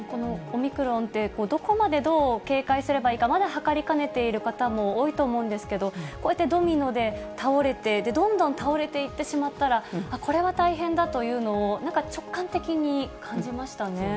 オミクロンって、どこまでどう警戒すればいいか、まだはかりかねている方も多いと思うんですけど、こうやってドミノで倒れて、どんどん倒れていってしまったら、これは大変だというのを、なんか、直感的に感じましたね。